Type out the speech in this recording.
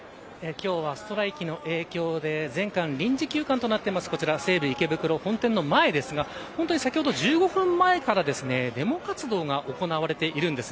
今日はストライキの影響で全館臨時休館となっている西武池袋本店の前ですが先ほど１５分前からデモ活動が行われているんです。